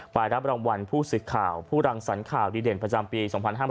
ไปรับรางวัลผู้สื่อข่าวผู้รังสรรข่าวดีเด่นประจำปี๒๕๕๙